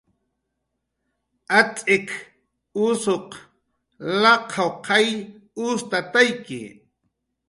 Atz'ik usuq laqaw qayll ustatayki